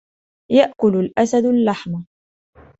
يأكل الأسد اللحم.